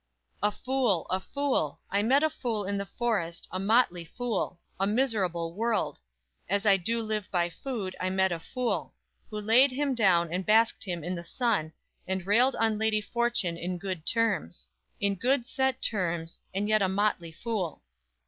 "_A fool, a fool! I met a fool in the forest A motley fool; a miserable world! As I do live by food, I met a fool; Who laid him down and basked him in the sun, And railed on Lady Fortune in good terms. In good set terms, and yet a motley fool.